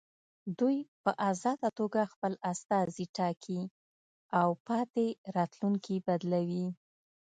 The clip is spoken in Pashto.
دوی په ازاده توګه خپل استازي ټاکي او پاتې راتلونکي بدلوي.